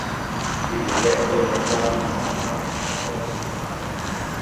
Il deserto è quasi disabitato e poco sfruttato.